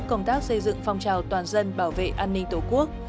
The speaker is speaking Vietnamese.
công tác xây dựng phong trào toàn dân bảo vệ an ninh tổ quốc